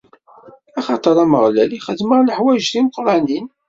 Axaṭer Ameɣlal ixdem-aɣ leḥwayeǧ timeqqranin.